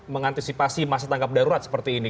mengantisipasi masa tangkap darurat seperti ini